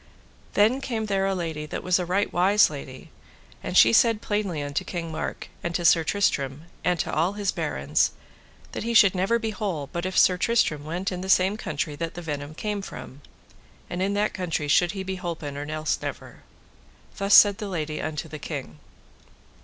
Then came there a lady that was a right wise lady, and she said plainly unto King Mark, and to Sir Tristram, and to all his barons, that he should never be whole but if Sir Tristram went in the same country that the venom came from, and in that country should he be holpen or else never. Thus said the lady unto the king.